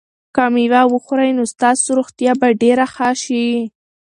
که مېوه وخورئ نو ستاسو روغتیا به ډېره ښه شي.